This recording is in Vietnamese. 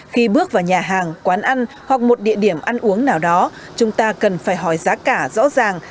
khi bước vào nhà hàng quán ăn hoặc một địa điểm ăn uống nào đó chúng ta cần phải hỏi giá cả rõ ràng